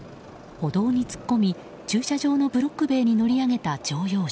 歩道に突っ込み、駐車場のブロック塀に乗り上げた乗用車。